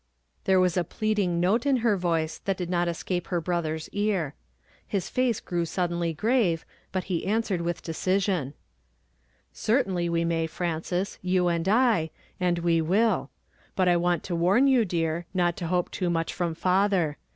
There was a pleading note in her voice that did not escape her brother's ear. His face grew sud denly grave, but he answered with decision. " Certainly we may, Frances, you and I, and we i.ii 50 YESTERDAY FRAMED IN TO DAY. iji fl:! will. But I want to warn you, dear, not to hope too much from father.